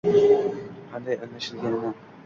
qanday almashganini